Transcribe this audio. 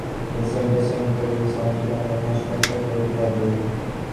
The center's second floor is home to the main National First Ladies' Library.